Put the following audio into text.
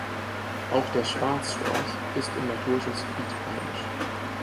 Auch der Schwarzstorch ist im Naturschutzgebiet heimisch.